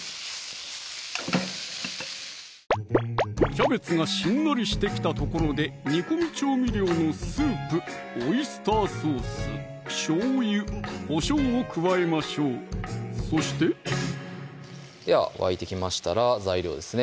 キャベツがしんなりしてきたところで煮込み調味料のスープ・オイスターソース・しょうゆ・こしょうを加えましょうそしてでは沸いてきましたら材料ですね